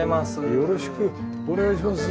よろしくお願いします。